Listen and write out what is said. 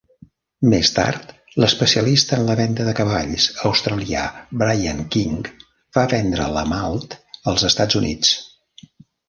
Més tard, l'especialista en la venda de cavalls australià Brian King va vendre la Malt als Estats Units.